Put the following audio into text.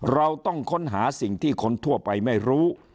เราต้องค้นหาสิ่งที่คนทั่วไปไม่รู้